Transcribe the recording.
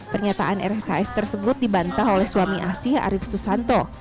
pernyataan rshs tersebut dibantah oleh suami asih arief susanto